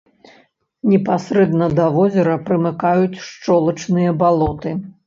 Непасрэдна да возера прымыкаюць шчолачныя балоты.